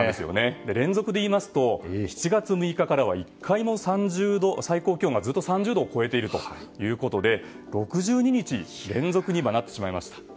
連続でいいますと７月６日からはずっと最高気温が３０度を超えているということで６２日連続になってしまいました。